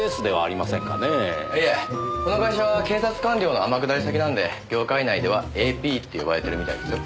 いえこの会社は警察官僚の天下り先なんで業界内ではＡＰって呼ばれてるみたいですよ。